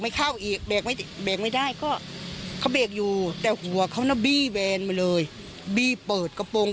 เข้าอีกเบรกไม่ได้ก็เขาเบรกอยู่แต่หัวเขาน่ะบี้แวนมาเลยบี้เปิดกระโปรง